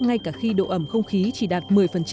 ngay cả khi độ ẩm không khí chỉ đạt một mươi